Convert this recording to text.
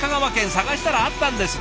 探したらあったんです。